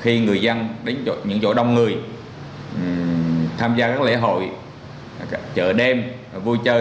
khi người dân đến những chỗ đông người tham gia các lễ hội các chợ đêm vui chơi